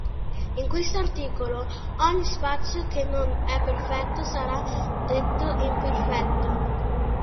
In questo articolo ogni spazio che non è perfetto sarà detto imperfetto.